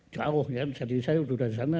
jauh jadi saya sudah dari sana